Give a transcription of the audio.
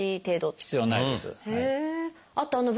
必要ないです。